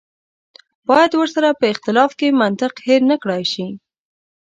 باید ورسره په اختلاف کې منطق هېر نه کړای شي.